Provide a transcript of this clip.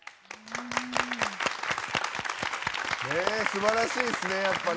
すばらしいですねやっぱ。